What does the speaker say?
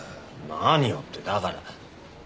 何をってだから。